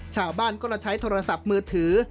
ชาวบ้านก็เลยใช้โทรศัพท์มือถือ